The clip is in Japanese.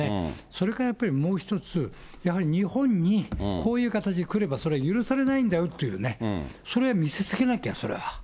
それからやっぱりもう一つ、やはり日本にこういう形で来れば、それは許されないんだよという、それは見せつけなきゃ、それは。